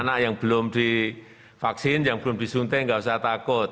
anak yang belum divaksin yang belum disuntik nggak usah takut